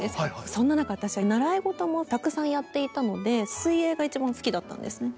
そんな中私は習い事もたくさんやっていたので水泳が一番好きだったんですね。